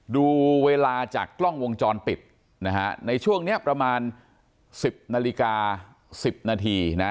ดูเวลาจากกล้องวงจรปิดนะฮะในช่วงนี้ประมาณ๑๐นาฬิกา๑๐นาทีนะ